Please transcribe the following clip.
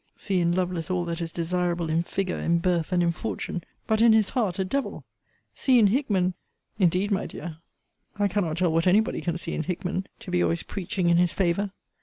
See in Lovelace all that is desirable in figure, in birth, and in fortune: but in his heart a devil! See in Hickman Indeed, my dear, I cannot tell what any body can see in Hickman, to be always preaching in his favour.